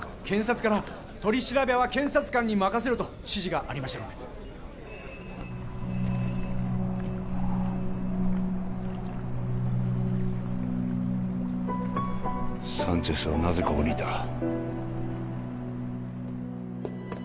検察から取り調べは検察官に任せろと指示がありましたのでサンチェスはなぜここにいた？